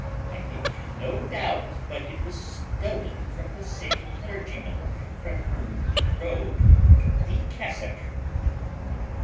I make no doubt but it was stolen from the same clergyman from whom the rogue took the cassock."